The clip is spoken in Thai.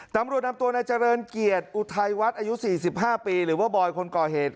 ตำรวจนำตัวนายเจริญเกียรติอุทัยวัดอายุ๔๕ปีหรือว่าบอยคนก่อเหตุ